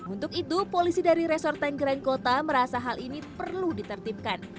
untuk itu polisi dari resort tanggerang kota merasa hal ini perlu ditertibkan